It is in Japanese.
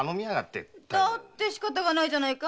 だって仕方がないじゃないか！